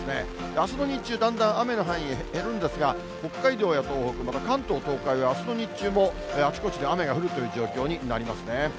あすの日中、だんだん雨の範囲減るんですが、北海道や東北、また関東、東海はあすの日中もあちこちで雨が降るという状況になりますね。